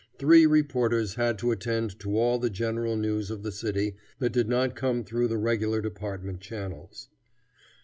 Three reporters had to attend to all the general news of the city that did not come through the regular department channels.